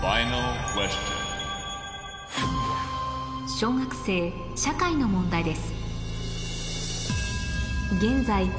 小学生社会の問題です